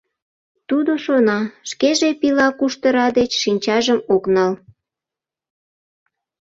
Тудо шона, шкеже пила куштыра деч шинчажым ок нал.